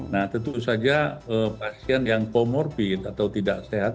nah tentu saja pasien yang comorbid atau tidak sehat